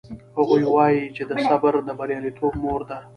هغوی وایي چې صبر د بریالیتوب مور ده